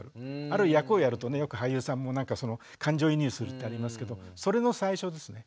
ある役をやるとねよく俳優さんも感情移入するってありますけどそれの最初ですね。